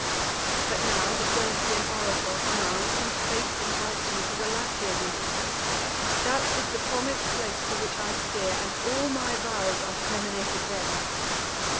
But now the Delphian oracle commands, And fate invites me to the Latian lands. That is the promis'd place to which I steer, And all my vows are terminated there.